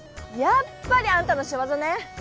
やっぱりあんたのしわざね！